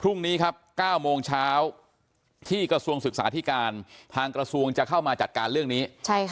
พรุ่งนี้ครับ๙โมงเช้าที่กระทรวงศึกษาธิการทางกระทรวงจะเข้ามาจัดการเรื่องนี้